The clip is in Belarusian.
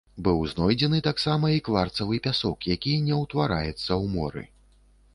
Быў знойдзены таксама і кварцавы пясок, які не ўтвараецца ў моры.